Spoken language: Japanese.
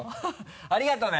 ありがとね。